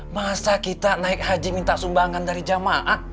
masa kita naik haji minta sumbangan dari jamaat